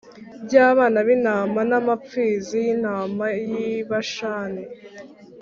by abana b intama N amapfizi y intama y i Bashani